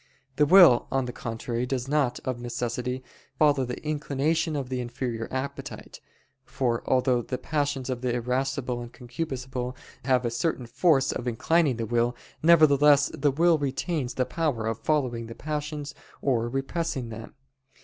The will, on the contrary, does not, of necessity, follow the inclination of the inferior appetite; for although the passions in the irascible and concupiscible have a certain force in inclining the will; nevertheless the will retains the power of following the passions or repressing them.